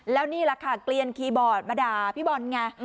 แล้วนี่แหละค่ะเกลียนคีย์บอร์ดมาด่าพี่บอลไง